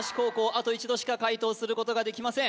あと一度しか解答することができません